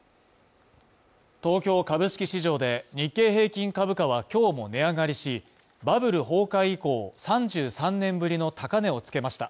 東京株式市場で日経平均株価は今日も値上がりし、バブル崩壊以降３３年ぶりの高値を付けました。